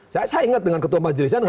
saya ingat dengan ketua majelisnya